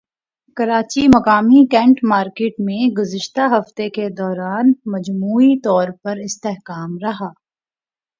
کراچیمقامی cotton market میں گزشتہ ہفتے کے دوران مجموعی طور پر استحکام رہا